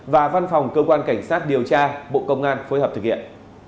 và văn phòng cơ quan cảnh sát điều tra bộ công an phối hợp thực hiện